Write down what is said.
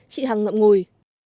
chị hằng ngậm ngùi